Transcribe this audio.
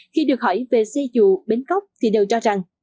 khi được hỏi về xe dù bến cóc thì đều cho rằng